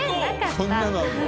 こんなの！